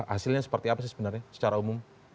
hasilnya seperti apa sih sebenarnya secara umum